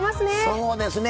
そうですね。